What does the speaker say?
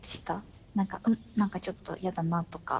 何かちょっと嫌だなとか。